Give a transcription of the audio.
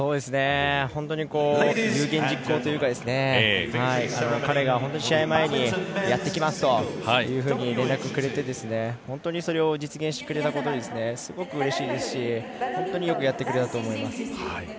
本当に有言実行というか彼が本当に試合前にやってきますというふうに連絡をくれて、本当にそれを実現してくれたことがすごくうれしいですし本当によくやってくれたと思います。